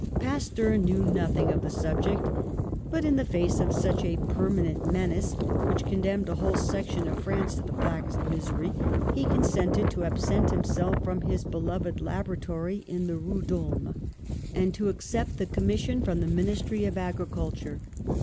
Pasteur knew nothing of the subject, but in the face of such a permanent menace, which condemned a whole section of France to the blackest misery, he consented to absent him self from his beloved laboratory in the Rue I— I ►> H FOR THE NATIONAL WEALTH 85 d'Ulm and to accept the commission from the Ministry of Agriculture.